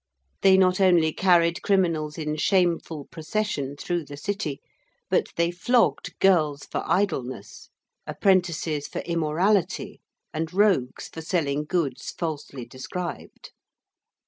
They not only carried criminals in shameful procession through the City, but they flogged girls for idleness, apprentices for immorality, and rogues for selling goods falsely described.